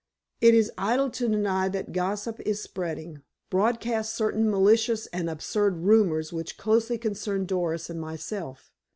It is idle to deny that gossip is spreading broadcast certain malicious and absurd rumors which closely concern Doris and myself.